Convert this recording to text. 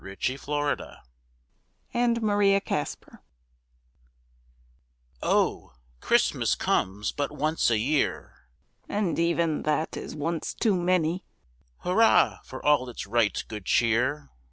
DIFFERENT VIEWS. A CHRISTMAS DUET. O, CHRISTMAS comes but once a year! (And even that is once too many;) Hurrah for all its right good cheer!